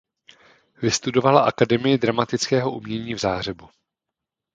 Vystudoval Akademii dramatického umění v Záhřebu.